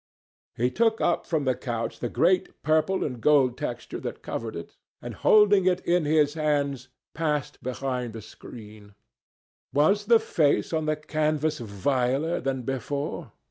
He took up from the couch the great purple and gold texture that covered it, and, holding it in his hands, passed behind the screen. Was the face on the canvas viler than before?